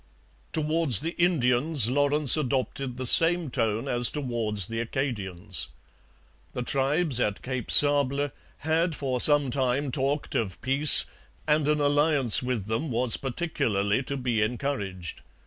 Towards the Indians Lawrence adopted the same tone as towards the Acadians. The tribes at Cape Sable had for some time talked of peace, and an alliance with them was particularly to be encouraged.